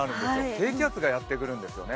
低気圧がやってくるんですよね。